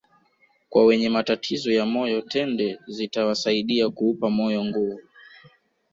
Kwa wenye matatizo ya moyo tende zitawasaidia kuupa moyo nguvu